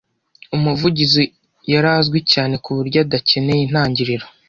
Umuvugizi yari azwi cyane kuburyo adakeneye intangiriro.